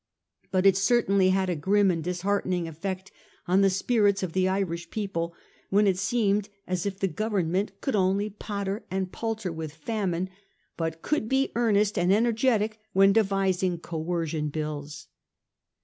But it certainly had a grim and a dis heartening effect on the spirits of the Irish people when it seemed as if the Government could only potter and palter with famine, but could be earnest and energetic when devising coercion bills.